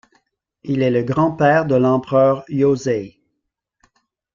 Il est le grand-père de l'empereur Yōzei.